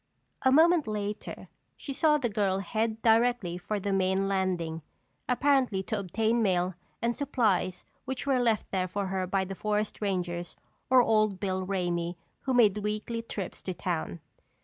A moment later she saw the girl head directly for the main landing, apparently to obtain mail and supplies which were left there for her by the forest rangers or old Bill Ramey who made weekly trips to town.